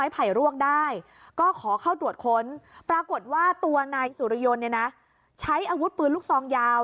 พอตรวจขนปรากฏว่าตัวนายสุรยณใช้อาวุธปืนลูกซองยาว